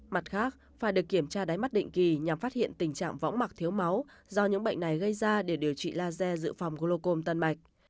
mặt khác phải được kiểm tra đáy mắt định kỳ nhằm phát hiện tình trạng võng mặc thiếu máu do những bệnh này gây ra để điều trị laser dự phòng glocom tân mạch